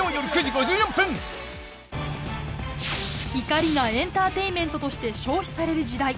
怒りがエンターテインメントとして消費される時代。